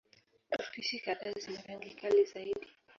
Spishi kadhaa zina rangi kali zaidi.